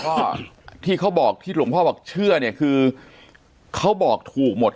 ก็ที่เขาบอกที่หลวงพ่อบอกเชื่อเนี่ยคือเขาบอกถูกหมด